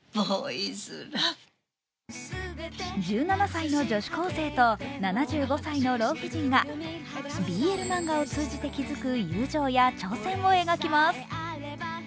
１７歳の女子高生と７５歳の老婦人がＢＬ漫画を通じて築く友情や挑戦を描きます。